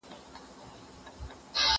خلک ځغلي تر ملا تر زیارتونو